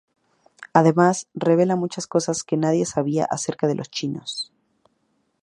Además revela muchas cosas que nadie sabía acerca de los chinos.